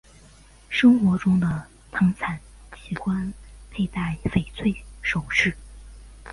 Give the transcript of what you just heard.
生活中的汤灿喜欢佩戴翡翠首饰。